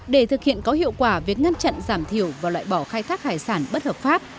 để thực hiện có hiệu quả việc ngăn chặn giảm thiểu và loại bỏ khai thác hải sản bất hợp pháp